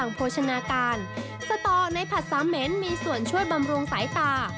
โภชนาการสตอในผัดสามเหม็นมีส่วนช่วยบำรุงสายตา